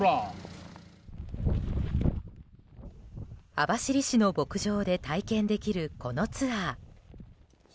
網走市の牧場で体験できるこのツアー。